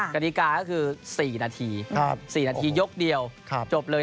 กฎิกาก็คือ๔นาที๔นาทียกเดียวจบเลย